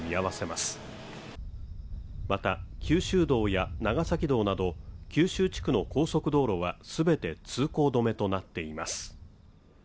また、九州道や長崎道など九州地区の高速道路は全て通行止めとなっています。